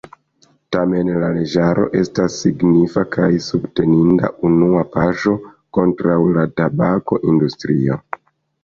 Tamen la leĝaro estas signifa kaj subteninda unua paŝo kontraŭ la tabako-industrio.